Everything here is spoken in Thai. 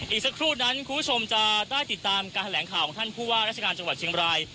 อีกสักครู่นั้นคุณผู้ชมจะได้ติดตามการแถลงข่าวของท่านผู้ว่าราชการจังหวัดเชียงบราย